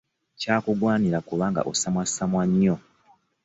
Kyakugwanira kubanga osamwassamwa nnyo.